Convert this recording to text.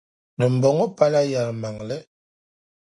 Dimbɔŋɔ pala yɛlimaŋli.